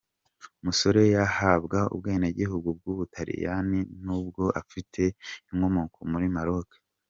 musore yahabwa ubwenegihugu bwu Butaliyani nubwo afite inkomoko muri Maroke.